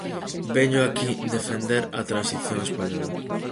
Veño aquí defender a Transición española.